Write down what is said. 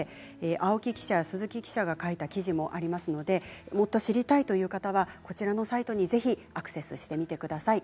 青木記者や鈴木記者が書いた記事もありますのでもっと知りたいという方はこちらのサイトに、ぜひアクセスしてみてください。